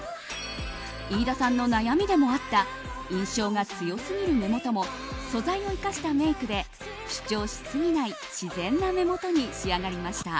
飯田さんの悩みでもあった印象が強すぎる目元も素材を生かしたメイクで主張しすぎない自然な目元に仕上がりました。